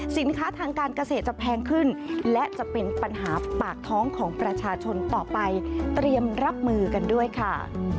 สินค้าทางการเกษตรจะแพงขึ้นและจะเป็นปัญหาปากท้องของประชาชนต่อไปเตรียมรับมือกันด้วยค่ะ